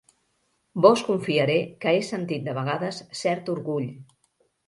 Vos confiaré que he sentit de vegades cert orgull.